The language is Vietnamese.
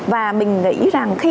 và mình nghĩ rằng khi